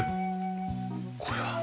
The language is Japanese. これは？